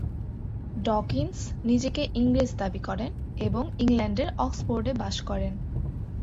Dawkins নিজেকে ইংরেজ দাবী করেন এবং ইংল্যান্ডের অক্সফোর্ডে বাস করেন।